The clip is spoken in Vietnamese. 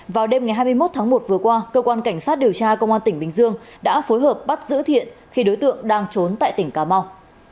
vào đêm ngày hai mươi một tháng một vừa qua cơ quan cảnh sát điều tra công an tỉnh bình dương đã phối hợp bắt giữ thiện khi đối tượng đang trốn tại tỉnh cà mau